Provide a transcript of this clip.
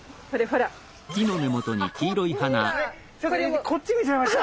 今こっち見ちゃいました。